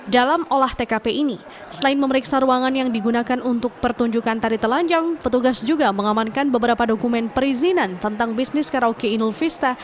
dalam olah tkp ini selain memeriksa ruangan yang digunakan untuk pertunjukan tari telanjang petugas juga mengamankan beberapa dokumen perizinan tentang bisnis karaoke inul vista